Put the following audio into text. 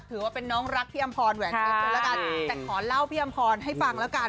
ถือว่าเป็นน้องรักพี่อำพรแหวนเพชรเลยละกันแต่ขอเล่าพี่อำพรให้ฟังแล้วกัน